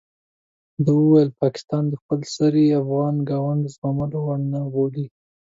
ده وویل پاکستان د خپل سرۍ افغان ګاونډ زغملو وړ نه بولي.